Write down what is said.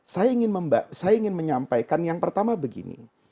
saya ingin menyampaikan yang pertama begini